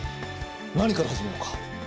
何から始めようか？